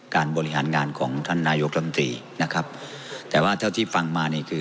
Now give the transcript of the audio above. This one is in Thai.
การบริหารงานของท่านนายกรรมตรีนะครับแต่ว่าเท่าที่ฟังมานี่คือ